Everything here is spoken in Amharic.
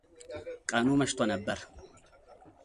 ቀኑ መሽቶ ነበር፡፡